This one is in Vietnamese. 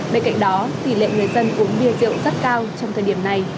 bên cạnh đó tỷ lệ người dân uống bia rượu rất cao trong thời điểm này